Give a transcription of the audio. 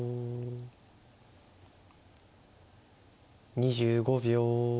２５秒。